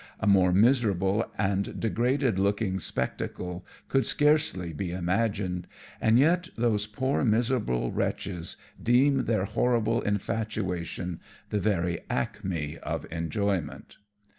A more miserable and degraded looking spec tacle could scarcely be imagined, and yet those poor miserable wretches deem their horrible infatuation the very acme of enjoyment.